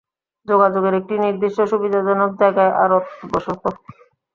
যোগাযোগের একটি নির্দিষ্ট সুবিধাজনক জায়গায় আড়ত বসত।